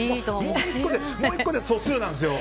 ３６ってもう１個で素数なんですよ。